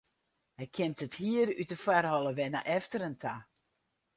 Hy kjimt it hier út de foarholle wei nei efteren ta.